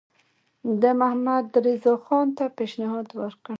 ده محمدرضاخان ته پېشنهاد وکړ.